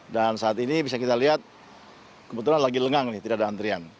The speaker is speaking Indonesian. dan saat ini bisa kita lihat kebetulan lagi lengang nih tidak ada antrian